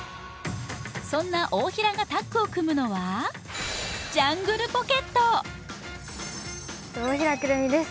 そんな大平がタッグを組むのはジャングルポケット大平くるみです